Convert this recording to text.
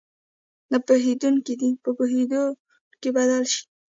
نه پوهېدونکي دې په پوهېدونکي بدل شي.